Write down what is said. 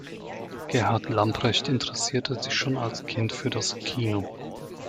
Gerhard Lamprecht interessierte sich schon als Kind für das Kino.